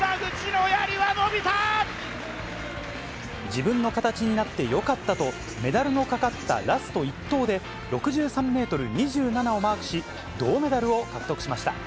自分の形になってよかったと、メダルのかかったラスト１投で６３メートル２７をマークし、銅メダルを獲得しました。